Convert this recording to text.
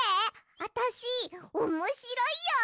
あたしおもしろいよ！